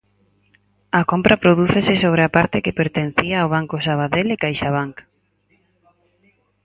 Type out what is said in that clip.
A compra prodúcese sobre a parte que pertencía ao Banco Sabadell e Caixabanc.